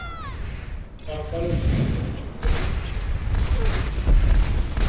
wa ambalo linatajwa kuchangia kuahirishwa kwa mazungumzo hayo